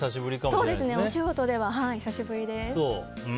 お仕事では久しぶりです。